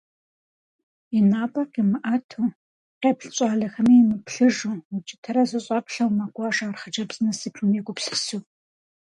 И напӏэр къимыӏэту, къеплъ щӏалэхэми емыплъыжу, укӏытэрэ зэщӏэплъэу мэкӏуэж ар хъыджэбз насыпым егупсысу.